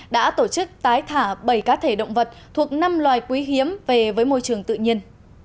đã tổ chức tái thả bảy cá thể động vật thuộc năm loài quý hiếm về với môi trường tự nhiên